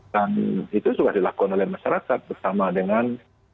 dan itu sudah dilakukan oleh masyarakat bersama dengan